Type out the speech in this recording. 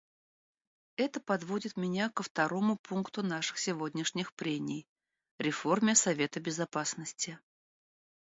Это подводит меня ко второму пункту наших сегодняшних прений — реформе Совета Безопасности.